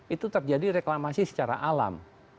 itu terjadi reklamasi secara alam